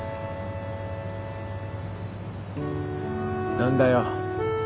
何だよ